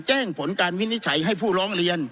แจ้งผลการวินิจฉัยให้ผู้ร้องเรียน